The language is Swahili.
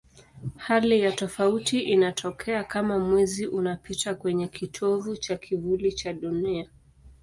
Hali ya tofauti inatokea kama Mwezi unapita kwenye kitovu cha kivuli cha Dunia.